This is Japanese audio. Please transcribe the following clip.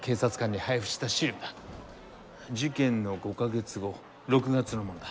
事件の５か月後６月のものだ。